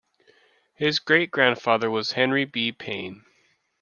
His great-grandfather was Henry B. Payne.